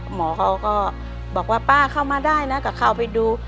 หมอเขาก็บอกว่าป้าเข้ามาได้นะก็เข้าไปดู